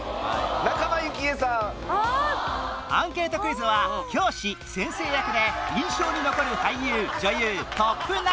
アンケートクイズは教師・先生役で印象に残る俳優・女優トップ